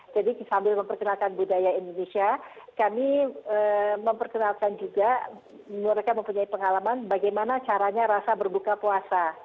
jadi sambil memperkenalkan budaya indonesia kami memperkenalkan juga mereka mempunyai pengalaman bagaimana caranya rasa berbuka puasa